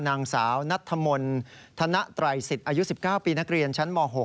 นางสาวนัตถมนต์ฐะณะ๓๐อายุ๑๙ปีนักเรียนชั้นม๖